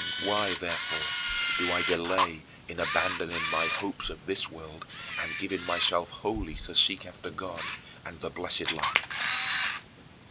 Why, therefore, do I delay in abandoning my hopes of this world and giving myself wholly to seek after God and the blessed life?